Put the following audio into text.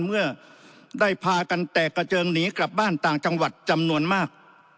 เมื่อได้พากันแตกกระเจิงหนีกลับบ้านต่างจังหวัดจำนวนมาก